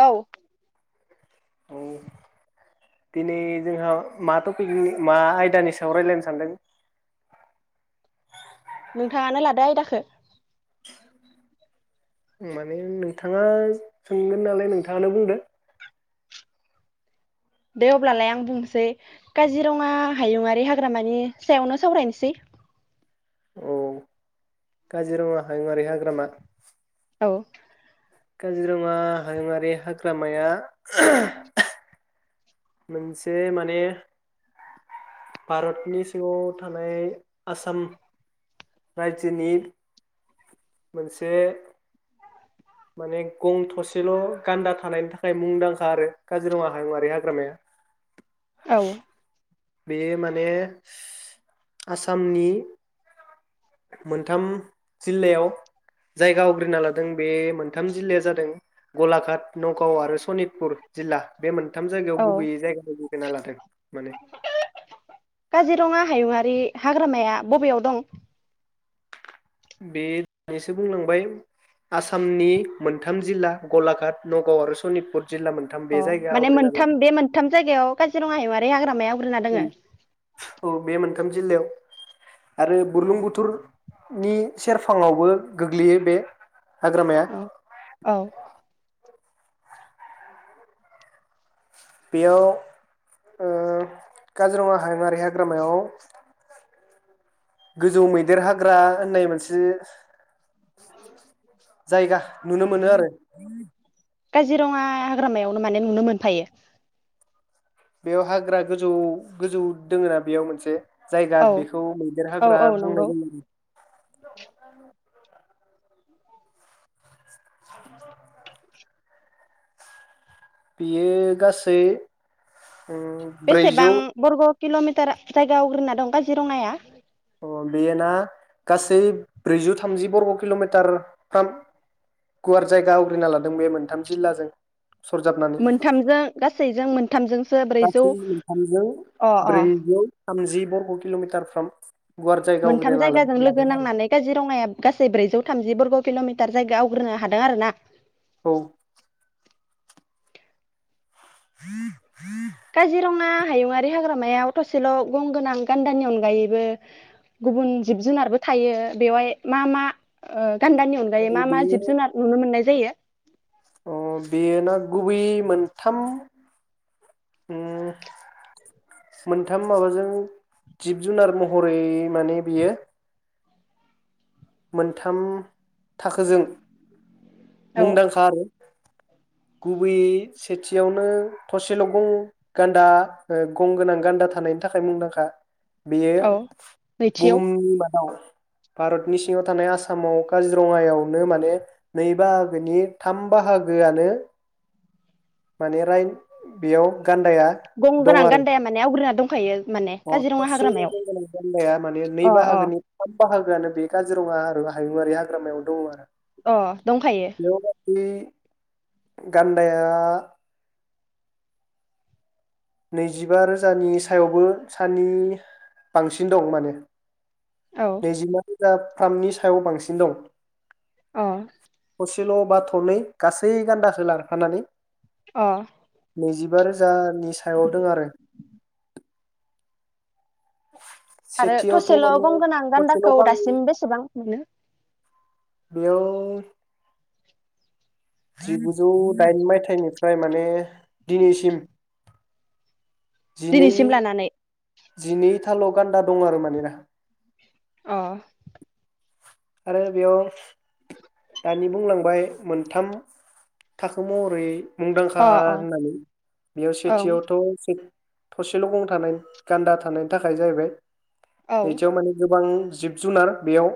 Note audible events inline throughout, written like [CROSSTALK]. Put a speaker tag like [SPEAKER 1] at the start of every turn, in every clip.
[SPEAKER 1] औ
[SPEAKER 2] औ दिनै जोंहा मा टपिकनि मा आयदानि सायाव रायलायनो सानदों
[SPEAKER 1] नोंथाङानो लादो आयदाखो
[SPEAKER 2] माने नोंथाङा सोंगोन नालाय नोंथाङानो बुंदो
[SPEAKER 1] दे अब्लालाय आं बुंनोसै काजिरङा हायुङारि हाग्रामानि सायावनो सावरायनोसै
[SPEAKER 2] औ काजिरङा हायवारि हाग्रामा
[SPEAKER 1] औ
[SPEAKER 2] काजिरङा हायुंङारि हाग्रामाया मोनसे माने भारतनि सिङाव थानाय आसाम रायजोनि मोनसे माने गं थसेल' गान्दा थानायनि थाखाय मुंदांखा आरो काजिरङा हायुंआारि हाग्रामाया
[SPEAKER 1] औ
[SPEAKER 2] बे माने आसामनि मोनथाम जिल्लायाव जायगा आवग्रिना लादों बे मोनथाम जिल्लाया जादों गलाघाट नगाव आरो सनितपुर जिल्ला बे मोनथाम जायगायाव
[SPEAKER 1] औ
[SPEAKER 2] गुबैयै जायगाानिगैग ना लादों माने
[SPEAKER 1] ओै हाग्रामाया बबेयाव दं
[SPEAKER 2] बे दैसो बुंलांबाय आसामनि मोनथाम जिल्ला गलाघाट नगाव आरो सनितपुर जिल्ला मोनथाम
[SPEAKER 1] अ
[SPEAKER 2] बे जायगा
[SPEAKER 1] माने
[SPEAKER 2] आवग्रिना
[SPEAKER 1] मोनथाम बे मोनथाम जायगायाव काजिरङा हायुवारि हाग्रामाया आवग्रिना दोङो
[SPEAKER 2] औ बे मोन थाम जिल्लायाव आरो बुरलुं बुथुरनि सेरफाङावबो गोग्लैयो बे हाग्रामाया
[SPEAKER 1] औ औ
[SPEAKER 2] बेयाव ओ काजिरङा हायुङारि हाग्रामायाव गोजौ मैदेर हाग्रा होननाय मोनसे जायगा नुनो मोनो आरो
[SPEAKER 1] काजिरङा हाग्रामायावनो माने नुनो मोनफायो
[SPEAKER 2] बेयाव हाग्रा गोजौ गोजौ दोङ ना बेयाव मोनसे जायगा
[SPEAKER 1] औ
[SPEAKER 2] बेखौ मैदेर
[SPEAKER 1] औ
[SPEAKER 2] होग्रा
[SPEAKER 1] औ
[SPEAKER 2] बुंनाय
[SPEAKER 1] नंगौ
[SPEAKER 2] द [UNINTELLIGIBLE] [UNINTELLIGIBLE] बियो गासै उम ब्रैजौ
[SPEAKER 1] बेसेबां बरग' किल'मिटार जायगा आवग्रिना दं काजिरङाया
[SPEAKER 2] अ बेयो ना गासै ब्रैजौ थामजि बरग' किल'मिटारफ्राम गुवार जायगा आवग्रिना लादों बे मोनथाम जिल्लाजों सरजाबनानै
[SPEAKER 1] मोनथामजों गासैजों मोनथामजोंसो ब्रैजौ
[SPEAKER 2] गासै मोनथामजों
[SPEAKER 1] अ अ
[SPEAKER 2] ब्रैजौ थामजि बरग' किल'मिटारफ्राम
[SPEAKER 1] मोनथाम जायगाजों लोगो नांनानै काजिरङाया गासै ब्रैजौ थामजि बरग' किल'मिटार जायगायाव आवग्रोनो हादों आरो ना
[SPEAKER 2] औ हम
[SPEAKER 1] काजिरङा हायुङि हाग्रामाया थसेल' गंगोनां गान्दानि अनगायैबो गुबुन जिब जुनारबो थायो बेवहाय मा मा गान्दानि अनगायै मा मा
[SPEAKER 2] बेयो
[SPEAKER 1] जिब जुनार नुनो मोननाय गोायो
[SPEAKER 2] अ बेयो ना गुबै मोनथाम उ मोनथाम माबाजों जिब जुनार महरै माने बियो मोनथाम थाखोजों
[SPEAKER 1] औ
[SPEAKER 2] मुंदांखा आरो गुबैयै सेथियावनो थसेल' गं गान्दा ओ गं गोनां गान्दा थानायनि थाखाय मुंदांखा । बेयो
[SPEAKER 1] औ नैथियाव
[SPEAKER 2] बुहुमनि मादाव भारत नि सिङाव थानाय आसामाव काजिरङायावनो माने नै बाहागोनि थाम बाहागोआनो माने राइ बेयाव गान्दाया
[SPEAKER 1] गं
[SPEAKER 2] दं
[SPEAKER 1] गोनां
[SPEAKER 2] आरो
[SPEAKER 1] गान्दाया माने आवग्रिना दं । खायो
[SPEAKER 2] अ थसेल गं गोनां गान्दाया माने नै
[SPEAKER 1] अ अ
[SPEAKER 2] बाहागोनि थाम बाहागोआनो बे काजिरङा आरो हायुंआारि हाग्रामायाव दङ आरो
[SPEAKER 1] अ दंखायो।
[SPEAKER 2] बे गान्दाया नैजिबा रोजानि सायावबो सानि बांसिन दं माने।
[SPEAKER 1] औ
[SPEAKER 2] नैजिमादि जा थामनि सायाव बांसिन दं।
[SPEAKER 1] अ
[SPEAKER 2] सेल' बा थनै गासै गान्दाखो लांफानानै
[SPEAKER 1] अ
[SPEAKER 2] नैजिबा रोजानि सा सायाव दों आरो।
[SPEAKER 1] आरो
[SPEAKER 2] सेथियावथ'
[SPEAKER 1] थसेल'
[SPEAKER 2] माने
[SPEAKER 1] गं गोनां
[SPEAKER 2] थसेल'
[SPEAKER 1] गान्दाखौ
[SPEAKER 2] गां
[SPEAKER 1] दासिम बेसेबां मोनो?
[SPEAKER 2] बेयाव जिगुजौ दाइन मायथाइनिफ्राय माने दिनैसिम
[SPEAKER 1] दिनैसिम लानानै
[SPEAKER 2] जिनै थाल' गान्दा दं आरो माने दा।
[SPEAKER 1] अ
[SPEAKER 2] आरो बेयाव दानि बुंलांबाय मोनथाम थाखो महरै मुंदांखा
[SPEAKER 1] अ अ
[SPEAKER 2] होननानै बेयाव
[SPEAKER 1] ओं
[SPEAKER 2] सेथियावथ' थसेल' गं थानाय गान्दा थानायनि थाखाय जाहैबाय
[SPEAKER 1] औ
[SPEAKER 2] नैथियाव माने गोबां जिब जुनार बेयाव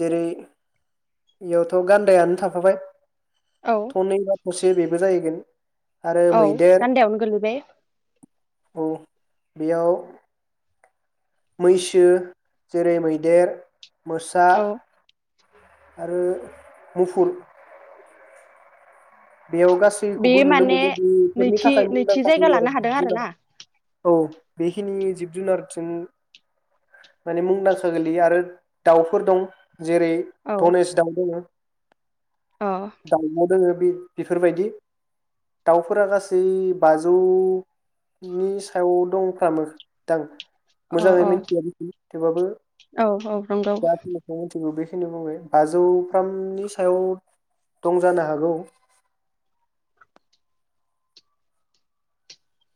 [SPEAKER 2] जेरै बेयावथ' गान्दायानो थाफाबाय
[SPEAKER 1] औ
[SPEAKER 2] थनै बा थसे बेबो जाहैगोन। आरो
[SPEAKER 1] औ
[SPEAKER 2] मैदेर
[SPEAKER 1] गान्दायावनो गोलैबाय।
[SPEAKER 2] औ बेयाव मैसो जेरै मैदेर मोसा
[SPEAKER 1] औ
[SPEAKER 2] आरो मुफुर बेयाव
[SPEAKER 1] बे
[SPEAKER 2] गासैखौबो नुनो
[SPEAKER 1] माने
[SPEAKER 2] मोनो बेफोरनि
[SPEAKER 1] नैथि
[SPEAKER 2] थाखाय
[SPEAKER 1] नैथि जायगा लानो हादों आरो
[SPEAKER 2] मुंदांखा
[SPEAKER 1] ना
[SPEAKER 2] [UNINTELLIGIBLE] औ बेखिनि जिब जुनारजों माने मुंदांखा गोलैयो आरो दाउफोर दं। जेरै
[SPEAKER 1] औ
[SPEAKER 2] धनेस दाउ दङ।
[SPEAKER 1] अ
[SPEAKER 2] दाउब' दोङो। बेफोरबायदि दाउफोरा गासै बाजौनि सायाव दंफ्रामो दां।
[SPEAKER 1] अ
[SPEAKER 2] मोजाङै
[SPEAKER 1] अ
[SPEAKER 2] मिथिया [UNINTELLIGIBLE] थेवबाबो
[SPEAKER 1] औ औ नंगौ
[SPEAKER 2] दा बिलासेयाव जेबो बेखिनि बुंबाय बाजौफ्रामनि सायाव दं जानो हागौ।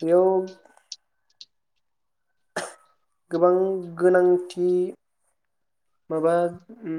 [SPEAKER 2] बेयाव गोबां गोनांथि माबा उम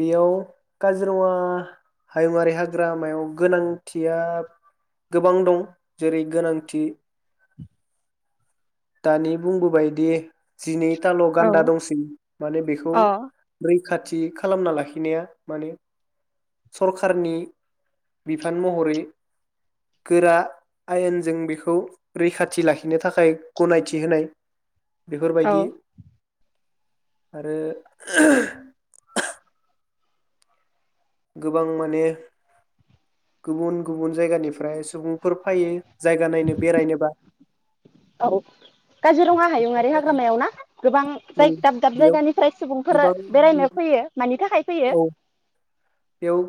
[SPEAKER 2] बेयाव काजिरङा हायुआारि हाग्रामायाव गोनांथिया गोबां दं जेरै गोनांथि दानि बुंबोबायदि जिनैथाल'
[SPEAKER 1] औ
[SPEAKER 2] गान्दा दंसै माने बेखौ
[SPEAKER 1] अ
[SPEAKER 2] ब्रै खाथि खालामना लाखिनाया माने सरखारनि बिफान महरै गोरा आयेनजों बेखौ रैखाथि लाखिनो थाखाय गनायथि होनाय बेफोर
[SPEAKER 1] औ
[SPEAKER 2] बायदि आरो गोबां माने गुबुन गुबुन जायगानिफ्राय सुबुंफोर फैयो।
[SPEAKER 1] औ काजिरङा हायुं आरो हाग्रामायाव ना? गोबां
[SPEAKER 2] औ
[SPEAKER 1] जाय दाब दाब
[SPEAKER 2] बेयाव
[SPEAKER 1] जायगानिफ्राय सुबुंफोर
[SPEAKER 2] गोबां
[SPEAKER 1] बेरायनो फैयो मानि थाखाय फैयो
[SPEAKER 2] औ बेयाव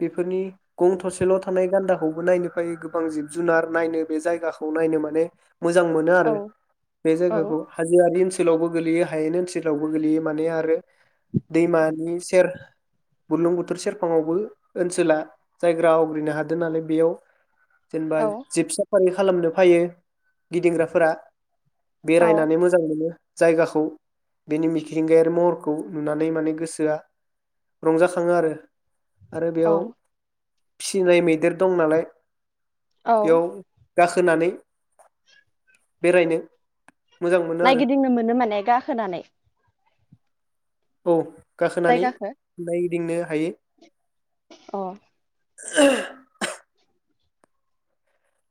[SPEAKER 2] बेफोरनि गं थसेल' थानाय गान्दाखौबो नायनो फैयो। गोबां जिब जुनार नायनो बे जायगाखौ नायनो माने मोजां मोनो
[SPEAKER 1] औ
[SPEAKER 2] आरो बे
[SPEAKER 1] औ
[SPEAKER 2] जायगाखौ हाजोआरि ओनसो सोलावबो गोलैयो हायेन ओनसोलावबो गोग्लैयो माने आरो दैमानि सेर बुरलुं बुथुर सेरफाङावबो ओनसोला जायग्रा आवग्रिनो हादों नालाय बेयाव जेनबा
[SPEAKER 1] औ
[SPEAKER 2] जिब साफारि खालामनो फायो गिदिंग्राफोरा
[SPEAKER 1] औ
[SPEAKER 2] बेरायनानै मोजां मोनो। जायगाखौ बेनि मिक्रिंगायारि महरखौ नुनानै माने गोसोआ रंजा खाङो आरो। आरो
[SPEAKER 1] औ
[SPEAKER 2] बेयाव फिसिनाय मैदेर दं नालाय।
[SPEAKER 1] औ
[SPEAKER 2] बेयाव गा होनानै बेरायनो मोजां मोनो आरो
[SPEAKER 1] नायगिदिंनो मोनो माने गाखोनानै
[SPEAKER 2] औ गाखोनानै
[SPEAKER 1] जायगाखौ
[SPEAKER 2] नाय दिंनो हायो।
[SPEAKER 1] अ'
[SPEAKER 2] [UNINTELLIGIBLE]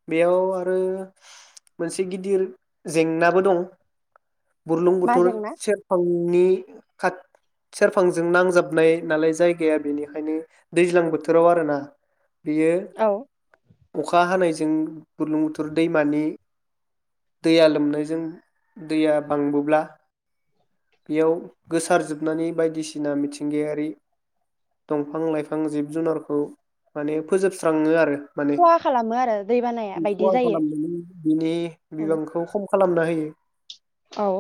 [SPEAKER 2] बेयाव आरो मोनसे गिदिर जेंनाबो दं। बुरलुं
[SPEAKER 1] मा
[SPEAKER 2] बुथोर
[SPEAKER 1] जेंना
[SPEAKER 2] सेरफांनि नि खाथ सेरफांजों नांजाबनाय नालाय जायगाया बेनिखायनो दैज्लां बोथोराव आरोना। बियो
[SPEAKER 1] औ
[SPEAKER 2] अखा हानायज जों बुर्लुंबुथुर दैमानि दैया लोमनायजों दैया बांबोब्ला बेयाव गोसारजोबनानै बायदिसिना मिथिंगायारि दंफां लाइफां जिब जुनारखौ माने फोजोबस्राङो आरो। माने
[SPEAKER 1] खहा खालामो आरो दैबानाया
[SPEAKER 2] बेखौ
[SPEAKER 1] बायदि
[SPEAKER 2] आं
[SPEAKER 1] जायो
[SPEAKER 2] खालामदों बिनि
[SPEAKER 1] औ
[SPEAKER 2] बिबांखौ खम खालाम नो हायो।
[SPEAKER 1] औ।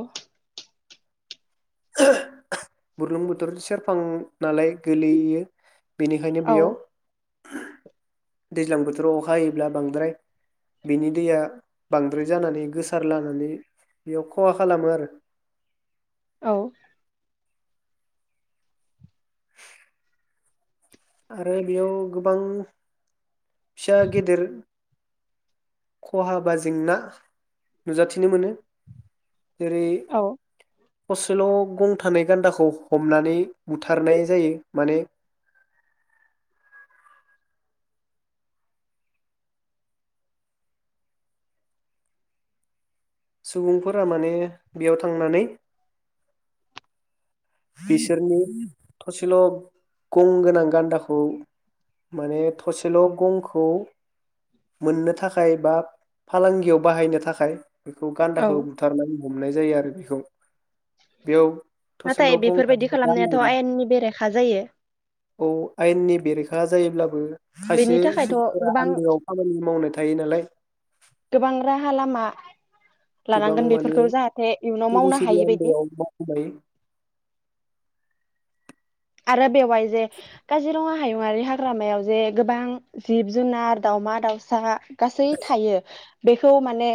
[SPEAKER 2] बुरलुंबुथुर सेरफां नालाय गोलैयो । बेनिखायनो बेयाव
[SPEAKER 1] औ
[SPEAKER 2] दैज्लां बोथोराव अखा हायोब्ला बांद्राय बिनि दैया बांद्राय जानानै गोसार लानानै बेयाव खहा खालामो आरो।
[SPEAKER 1] औ।
[SPEAKER 2] आरो बेयाव गोबां फिसा गेदेर खहा बा जेंना नुजाथिनो मोनो। जेरै
[SPEAKER 1] औ
[SPEAKER 2] थसेल' गं थानाय गान्दाखौ हमनानै बुथारनाय जायो माने सुबुंफोरा माने बेयाव थांनानै बिसोरनि थसेल' गं गोनां गान्दाखौ माने थसेल' गंखौ मोननो थाखाय बा फालांगियाव बाहायनो थाखाय बेखौ गान्दाखौ
[SPEAKER 1] औ
[SPEAKER 2] बुथारनाय। हमनाय जायो आरो बेखौ। बेयाव थसेल'
[SPEAKER 1] नाथाय
[SPEAKER 2] गं
[SPEAKER 1] बेफोरबायदि
[SPEAKER 2] थानाय
[SPEAKER 1] खालामनायाथ'
[SPEAKER 2] गान्दाखौ
[SPEAKER 1] आयेननि बेरेखा जायो।
[SPEAKER 2] हा जायोब्लाबो खायसे
[SPEAKER 1] बेनि थाखायथ'
[SPEAKER 2] सुबुंफोरा
[SPEAKER 1] गोबां
[SPEAKER 2] आन्दोआव खामानि मावनाय थायो नालाय
[SPEAKER 1] गोबां राहा लामा
[SPEAKER 2] गोबां
[SPEAKER 1] लानांगोन
[SPEAKER 2] माने
[SPEAKER 1] बेफोरखौ जाहाथे इयुनाव
[SPEAKER 2] सिरि
[SPEAKER 1] मावनो
[SPEAKER 2] सिरि
[SPEAKER 1] हायि बादि।
[SPEAKER 2] आन्दोआव मावनाय
[SPEAKER 1] आरो बेवहाय जे काजिरङा हायुङारि हाग्रामायाव जे गोबां जिब जुनार दावमा दाउसा गासै थायो खौ माने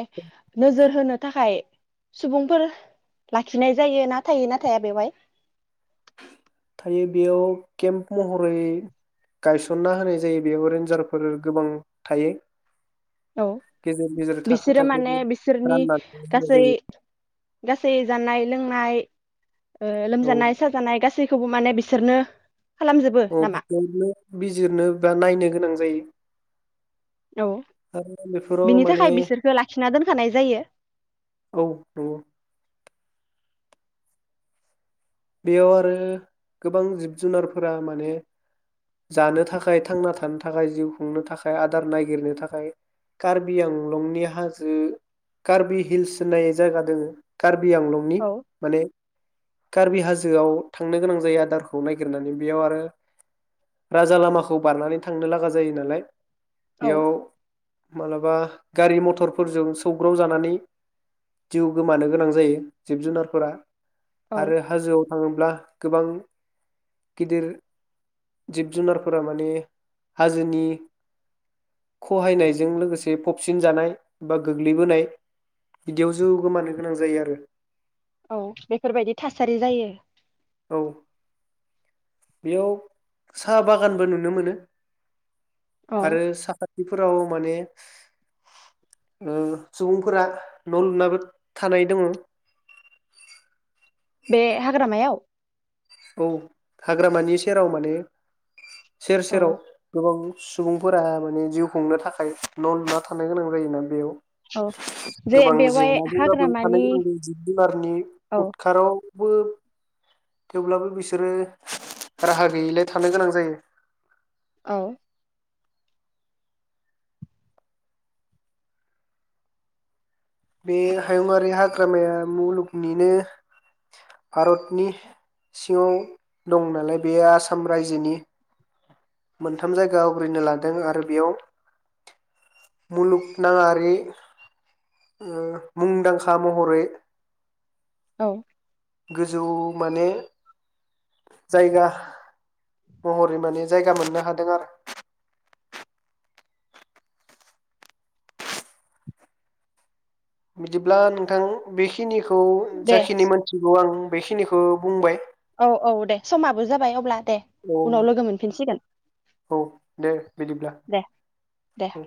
[SPEAKER 1] नोजोर होनो थाखाय सुबुंफोर लाखिनाय जायो ना थायो ना थाया बेवहाय?
[SPEAKER 2] थायो बेयाव केम्प महरै गायसनना होनाय जायो बेयाव रेन्जारफोर गोबां थायो।
[SPEAKER 1] औ
[SPEAKER 2] गेजेर गेजेर थाखो
[SPEAKER 1] बिसोरो
[SPEAKER 2] थाखो
[SPEAKER 1] माने बिसोरनि
[SPEAKER 2] राननानै होनाय
[SPEAKER 1] गासै
[SPEAKER 2] जायो
[SPEAKER 1] गासै जानाय लोंनाय। ओ
[SPEAKER 2] औ
[SPEAKER 1] लोमजानाय साजानाय गासै सैखौबो माने बिसोरनो खालामजोबो
[SPEAKER 2] अ
[SPEAKER 1] नामा
[SPEAKER 2] बिसोरनो बिजिरनो बा नायनो गोनां जायो।
[SPEAKER 1] औ
[SPEAKER 2] आरो बेफोराव
[SPEAKER 1] बिनि
[SPEAKER 2] माने
[SPEAKER 1] थाखाय बिसोरखो लाखिना दोनखानाय जायो।
[SPEAKER 2] औ नंगौ बेयाव आरो गोबां जिब जुनारफोरा माने जानो थाखाय थांना थानो थाखाय जिउ खुंनो थाखाय आदार नागिरनो थाखाय कार्बि आंलंनि हाजो कार्बि हिल्स होननाय जायगा दङो कार्बि। बि आंलंनि
[SPEAKER 1] औ
[SPEAKER 2] माने। कार्बि हाजोआव थांनो गोनां जायो आदारखौ नायगिरनानै बेयाव आरो राजा लामाखौ बारनानै थांनो लागा जायो नालाय।
[SPEAKER 1] औ
[SPEAKER 2] बेयाव। मालाबा गारि मथरफोरजों सौग्राव जानानै जिउ गोमानो गोनां जायो जिब जुनारफोरा।
[SPEAKER 1] औ
[SPEAKER 2] आरो हाजोआव थाङोब्ला। गोबां गिदिर जिब जुनारफोरा माने हाजोनि खहायनायजों लोगोसे फबसिन जानाय बा गोग्लैबोनाय बिदियाव जउ गोमानो गोनां जायो आरो।
[SPEAKER 1] औ बेफोरबायदि थासारि जायो।
[SPEAKER 2] औ। बेयाव साहा बागानबो नुनो मोनो।
[SPEAKER 1] औ
[SPEAKER 2] आरो सापाद। बेफोराव माने ओ सुबुंफोरा न' लुनाबो थानाय दङ।
[SPEAKER 1] बे हाग्रामायाव
[SPEAKER 2] औ हाग्रामानि सेराव माने। सेर
[SPEAKER 1] औ
[SPEAKER 2] सेराव गोबां। सुबुंफोरा माने जिउ खुंनो थाखाय न' लुना थानो गोनां जायोना बेयाव।
[SPEAKER 1] औ जे
[SPEAKER 2] गोबां
[SPEAKER 1] बेवहाय
[SPEAKER 2] जेंनाजों ब्लाबो थानाय
[SPEAKER 1] हाग्रामानि
[SPEAKER 2] जायो जिब जुनारनि
[SPEAKER 1] औ
[SPEAKER 2] उदखाराव। बो। थेवब्लाबो बिसोरो राहा गैयैलाय थानो गोनां जायो।
[SPEAKER 1] औ।
[SPEAKER 2] बे हायुंआारि हाग्रामाया मुलुगनिनो भारतनि सिङाव दं नालाय बेयो आसाम रायजोनि मोनथाम जायगा आवग्रिनो लादों आरो बेयाव मुलुगनाङारि। ङो मुंदांखा महरै।
[SPEAKER 1] औ।
[SPEAKER 2] गोजौ माने जायगा महरै माने जायगा मोननो हादों आरो। बिदिब्ला नोंथां बेखिनिखौ। खौ
[SPEAKER 1] दे
[SPEAKER 2] जाखिनि मोनथिगौ आं बेखिनिखौ। खौ बुंबाय।
[SPEAKER 1] औ औ दे समाबो जाबाय अब्ला। दे
[SPEAKER 2] औ
[SPEAKER 1] उनाव लोगो मोनफिनसिगोन
[SPEAKER 2] औ दे बिदिब्ला
[SPEAKER 1] दे दे।
[SPEAKER 2] औ